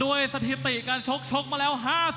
ด้วยสถิติการชกมาแล้ว